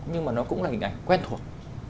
nhưng mà nó cũng là hình ảnh quen thuộc